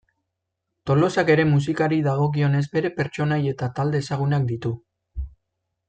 Tolosak ere musikari dagokionez bere pertsonai eta talde ezagunak ditu.